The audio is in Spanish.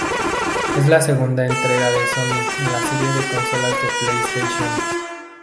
Es la segunda entrega de Sony en la serie de consolas de PlayStation.